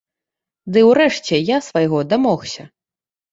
Ды ўрэшце я свайго дамогся.